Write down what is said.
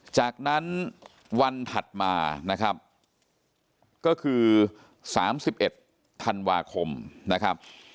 จากนั้นวันถัดมานะครับก็คือ๓๑ธันวาคมนะครับ